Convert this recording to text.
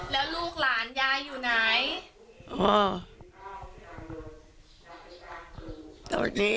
แล้วลูกหลานยายอยู่ไหน